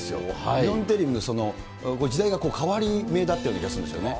日本テレビの、時代が変わり目だったような気がするんですよね。